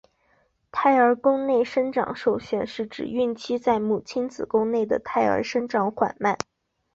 胎儿宫内生长受限是指孕期在母亲子宫内的胎儿生长缓慢。